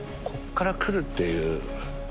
こっから来るっていう。